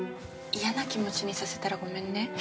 嫌な気持ちにさせたらごめんね。